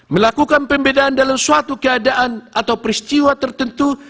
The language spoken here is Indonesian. melakukan pembedaan dalam suatu keadaan atau peristiwa tertentu